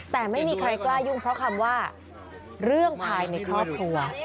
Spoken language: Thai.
แต่ไม่มีใครกล้ายุ่งเพราะคำว่าเรื่องภายในครอบครัว